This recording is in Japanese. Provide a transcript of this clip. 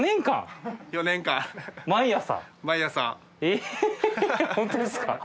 ─舛本当ですか？